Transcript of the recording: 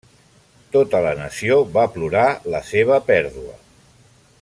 Tota la nació va plorar la seva pèrdua.